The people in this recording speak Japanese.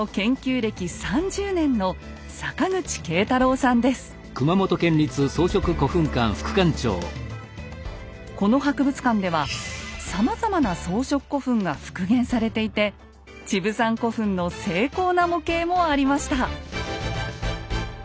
歴３０年のこの博物館ではさまざまな装飾古墳が復元されていてチブサン古墳の精巧な模型もありました。